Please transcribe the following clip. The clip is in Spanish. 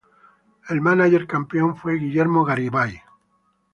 El mánager campeón fue Guillermo Garibay.